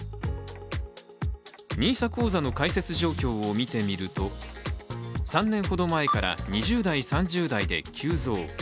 ＮＩＳＡ口座の開設状況を見てみると３年ほど前から２０代、３０代で急増。